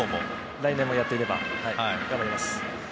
来年もやっていれば頑張ります。